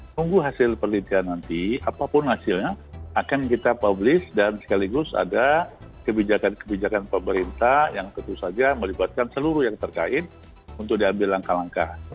tunggu hasil penelitian nanti apapun hasilnya akan kita publish dan sekaligus ada kebijakan kebijakan pemerintah yang tentu saja melibatkan seluruh yang terkait untuk diambil langkah langkah